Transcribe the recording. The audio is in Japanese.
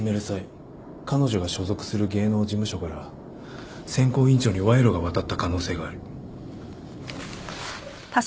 際彼女が所属する芸能事務所から選考委員長に賄賂が渡った可能性がある。